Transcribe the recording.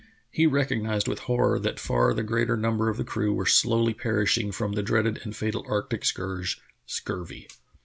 He recognized with horror that far the greater number of the crew were slowly perishing from the dreaded and fatal arctic scourge — scurvy.